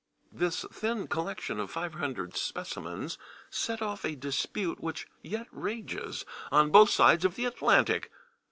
This thin collection of 500 specimens set off a dispute which yet rages on both sides of the Atlantic.